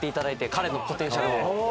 彼のポテンシャルを。